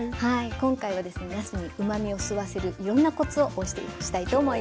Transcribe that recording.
今回はなすにうまみを吸わせるいろんなコツをお教えしたいと思います。